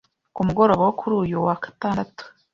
ku mugoroba wo kuri uyu wa gatandatu